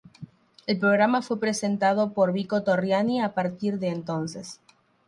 El programa fue presentado por Vico Torriani a partir de entonces.